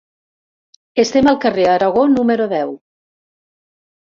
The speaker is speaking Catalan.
Estem al carrer Aragó, número deu.